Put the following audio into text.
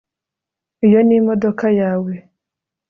iyo ni imodoka yawe